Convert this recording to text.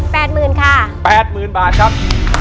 หมื่นค่ะแปดหมื่นบาทครับ